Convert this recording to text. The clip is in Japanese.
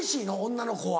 女の子は。